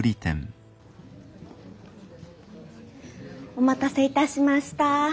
お待たせいたしました。